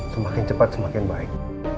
semakin cepat semakin baik